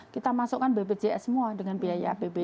kita masukkan bpjs semua dengan biaya apbn